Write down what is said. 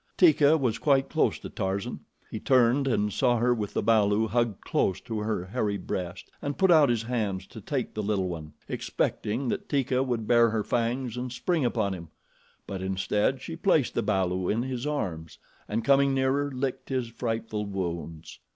Teeka was quite close to Tarzan. He turned and saw her with the balu hugged close to her hairy breast, and put out his hands to take the little one, expecting that Teeka would bare her fangs and spring upon him; but instead she placed the balu in his arms, and coming nearer, licked his frightful wounds.